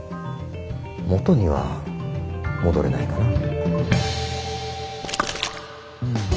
元には戻れないかなぁ。